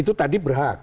itu tadi berhak